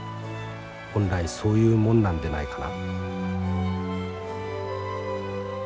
本来そういうもんなんでないかな』」。